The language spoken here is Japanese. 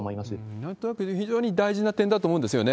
なんとなく非常に大事な点だと思うんですよね。